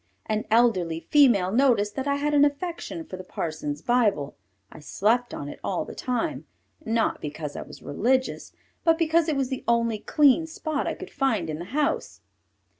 An elderly female noticed that I had an affection for the parson's Bible; I slept on it all the time, not because I was religious, but because it was the only clean spot I could find in the house.